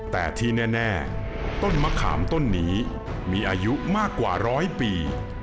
แต่ที่แน่ต้นมะขามต้นนี้มีอายุมากกว่าร้อยปี